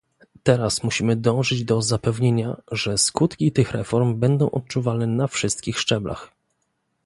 Teraz musimy dążyć do zapewnienia, że skutki tych reform będą odczuwalne na wszystkich szczeblach